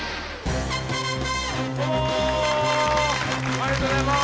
ありがとうございます。